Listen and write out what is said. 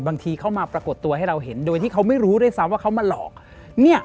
บางทีเขามาปรากฏตัวให้เราเห็นโดยที่เขาไม่รู้ด้วยซ้ำว่าเขามาหลอกเนี่ย